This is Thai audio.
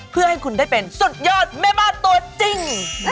เพื่อให้คุณได้เป็นสุดยอดแม่บ้านตัวจริง